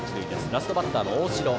ラストバッターの大城。